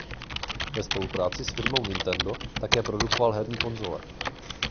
Ve spolupráci s firmou Nintendo také produkoval herní konzole.